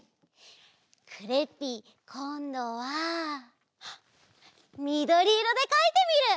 クレッピーこんどはみどりいろでかいてみる！